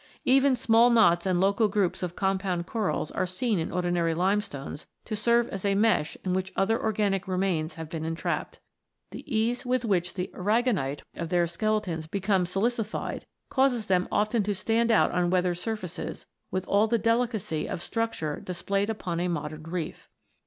Even small knots and local groups of compound corals are seen in ordinary limestones to serve as a mesh in which other organic remains have become entrapped. The ease with which the aragonite of their skeletons becomes silicified causes them often to stand out on weathered surfaces with all the delicacy of structure displayed upon a modern reef.